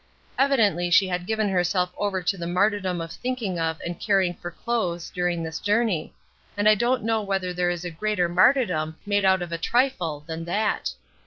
Evidently she had given herself over to the martyrdom of thinking of and caring for clothes during this journey, and I don't know whether there is a greater martyrdom made out of a trifle than that.